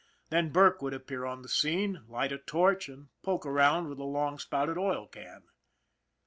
Then Burke would appear on the scene, light a torch, and poke around with a long spouted oil can.